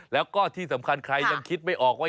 แล้วก็ที่สำคัญใครยังคิดไม่ออกว่า